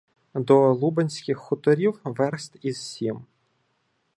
До Лубенських хуторів верст із сім.